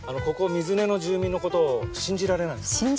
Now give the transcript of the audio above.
ここ水根の住民のことを信じられないんですか？